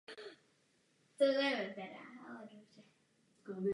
Maják má bílou barvu s černým pruhem a černou horní části.